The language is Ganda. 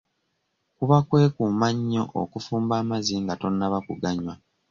Kuba kwekuuma nnyo okufumba amazzi nga tonnaba ku ganywa.